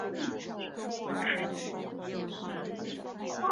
不包括部分已成为全国重点文物保护单位的文物。